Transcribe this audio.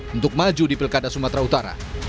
untuk maju di pilkada sumatera utara